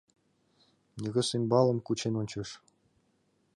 Негыз ӱмбалым кучен ончыш.